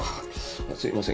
あすいません。